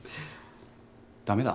ダメだ。